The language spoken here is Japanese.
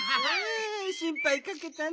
しんぱいかけたね。